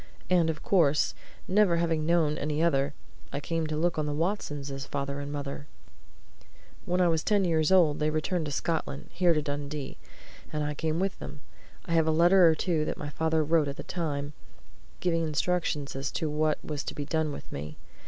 And of course, never having known any other, I came to look on the Watsons as father and mother. When I was ten years old they returned to Scotland here to Dundee, and I came with them. I have a letter or two that my father wrote at that time giving instructions as to what was to be done with me.